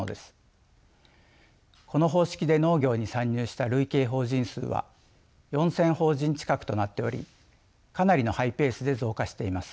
この方式で農業に参入した累計法人数は４，０００法人近くとなっておりかなりのハイペースで増加しています。